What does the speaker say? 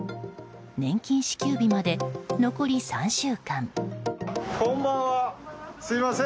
年金支給日まで残り３週間。